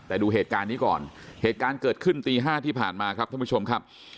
แต่ดูเหตุการณ์นี้ก่อนเหตุการณ์เกิดขึ้นตี๕ที่ผ่านมาครับท่านผู้ชมครับ